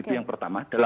itu yang pertama